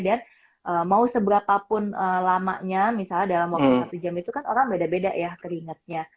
dan mau seberapapun lamanya misalnya dalam waktu satu jam itu kan orang beda beda ya keringatnya